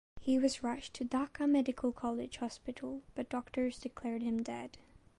He was rushed to Dhaka Medical College Hospital but doctors declared him dead.